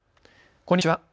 こんにちは。